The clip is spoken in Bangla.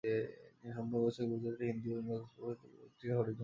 তিনি সম্পাদনা করেছেন গুজরাটি, হিন্দি ও ইংরেজি ভাষায় প্রকাশিত পত্রিকা হরিজন।